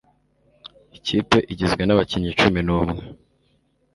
Ikipe igizwe nabakinnyi cumi n'umwe.